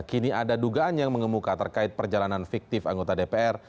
kini ada dugaan yang mengemuka terkait perjalanan fiktif anggota dpr